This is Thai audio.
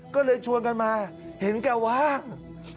ก็เลยชวนกันมาเห็นแกว่าง